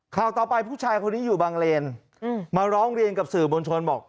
ข่าวต่อไปผู้ชายคนนี้อยู่บางเลนมาร้องเรียนกับสื่อบนชนบอก